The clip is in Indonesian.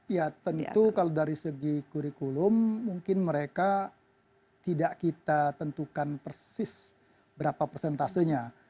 ya tentu kalau dari segi kurikulum mungkin mereka tidak kita tentukan persis berapa persentasenya